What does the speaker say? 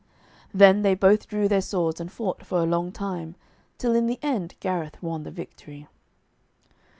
Then they both drew their swords, and fought for a long time, till in the end Gareth won the victory.